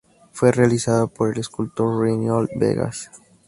Fue realizada por el escultor Reinhold Begas.